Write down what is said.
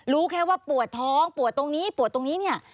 รู้แค่ว่าปวดท้องปวดตรงนี้ปวดตรงนี้เนี่ย